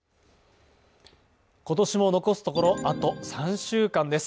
今年も残すところあと３週間です